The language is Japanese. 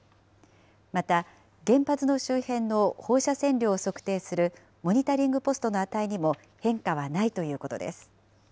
また、原発の周辺の放射線量を測定するモニタリングポストの値にも変化はないということです。